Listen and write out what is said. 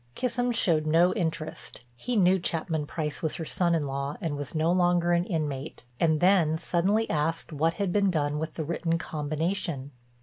Kissam showed no interest—he knew Chapman Price was her son in law and was no longer an inmate—and then suddenly asked what had been done with the written combination.